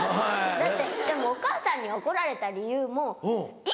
だってでもお母さんに怒られた理由も今！